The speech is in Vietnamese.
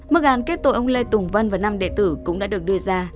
mức án kết tội ông lê tùng vân và năm đệ tử cũng đã được đưa ra